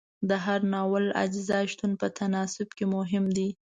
د هر ناول اجزاو شتون په تناسب کې مهم دی.